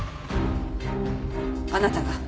あなたが。